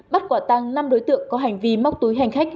bắt quả tăng năm đối tượng có hành vi móc túi hành khách